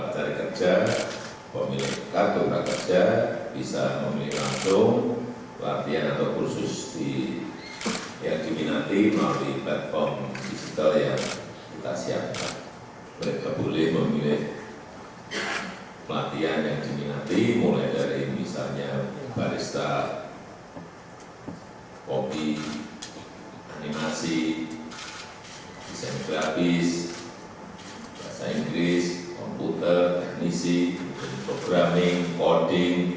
jadi misalnya barista kopi animasi desain grafis bahasa inggris komputer teknisi programming coding